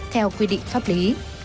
theo quy định pháp lý